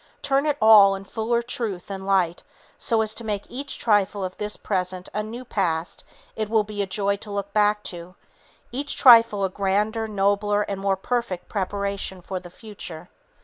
Turn it all in fuller truth and light so as to make each trifle of this present a new past it will be joy to look back to; each trifle a grander, nobler, and more perfect preparation for the future.